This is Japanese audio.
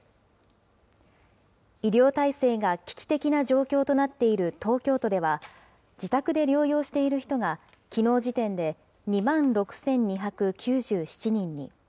医療体制が危機的な状況となっている東京都では、自宅で療養している人が、きのう時点で２万６２９７人に。